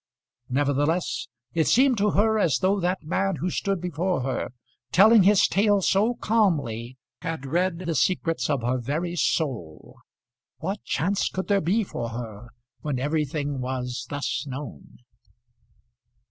Nevertheless it seemed to her as though that man who stood before her, telling his tale so calmly, had read the secrets of her very soul. What chance could there be for her when everything was thus known?